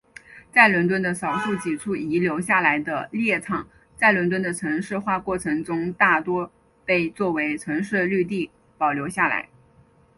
在伦敦的少数几处遗留下来的猎场在伦敦的城市化过程中大多被作为城市绿地保留下来。